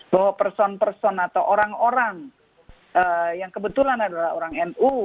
bahwa person person atau orang orang yang kebetulan adalah orang nu